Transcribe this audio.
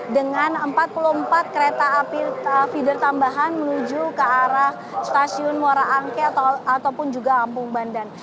dengan empat puluh empat kereta api feeder tambahan menuju ke arah stasiun muara angke ataupun juga kampung bandan